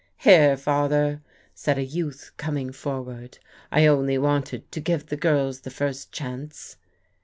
"Here, Father," said a youth coming forward. "I only wanted to give the girls the first chance."